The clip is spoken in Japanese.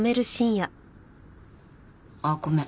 あっごめん。